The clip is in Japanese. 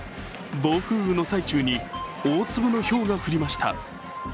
暴風雨の最中に大粒のひょうが降りました。